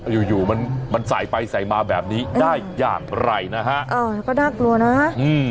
อยู่อยู่มันมันใส่ไปใส่มาแบบนี้ได้อย่างไรนะฮะอ้าวแล้วก็น่ากลัวนะอืม